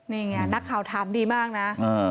นี่ไงนักข่าวถามดีมากนะ